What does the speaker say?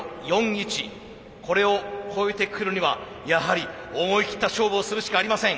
これを超えてくるにはやはり思い切った勝負をするしかありません。